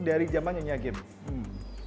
dari zaman nyanyi agama